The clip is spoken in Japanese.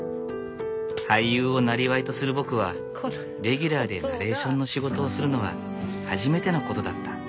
俳優をなりわいとする僕はレギュラーでナレーションの仕事をするのは初めてのことだった。